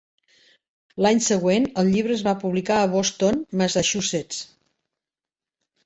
L'any següent, el llibre es va publicar a Boston, Massachusetts.